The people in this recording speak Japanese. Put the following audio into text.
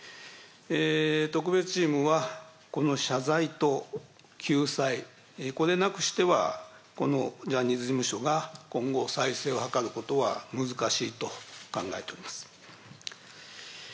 特別チームはこの謝罪と救済、これなくしては、このジャニーズ事務所が今後、再生を図ることは難しいと考えております。